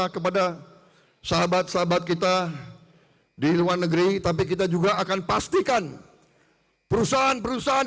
kepada sahabat sahabat kita di luar negeri tapi kita juga akan pastikan perusahaan perusahaan